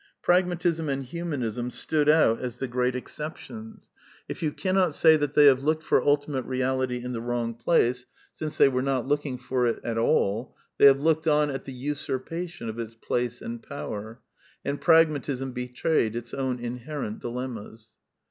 Pragmatism and Humanism stood out as CONCLUSIONS 296 the great exceptions. If you cannot say that they have looked for ultimate reality in the wrong place, since they were not looking for it at all, they have looked on at the usurpation of its place and power. And Pragmatism be trayed its own inherent dilemmas.